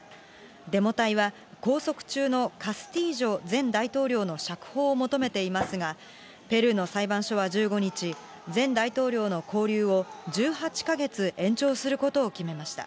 デモ隊は拘束中のカスティージョ前大統領の釈放を求めていますが、ペルーの裁判所は１５日、前大統領の勾留を１８か月延長することを決めました。